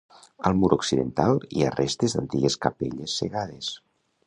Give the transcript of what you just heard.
Al mur occidental, hi ha restes d'antigues capelles cegades.